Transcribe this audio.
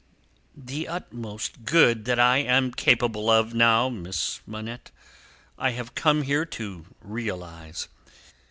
"The utmost good that I am capable of now, Miss Manette, I have come here to realise.